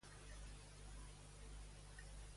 Va comandar el doblatge d'alguna cinta de dibuixos animats?